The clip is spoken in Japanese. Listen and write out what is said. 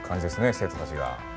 生徒たちが。